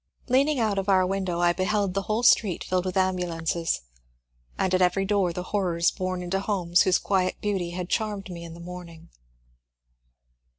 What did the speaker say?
Leaning out of our window I beheld the whole street filled with ambulances, and at every door the horrors borne into homes whose quiet beauty had charmed me in the morn ing.